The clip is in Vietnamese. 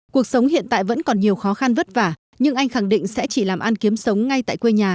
cuộc sống hiện tại vẫn còn nhiều khó khăn vất vả nhưng anh khẳng định sẽ chỉ làm ăn kiếm sống ngay tại quê nhà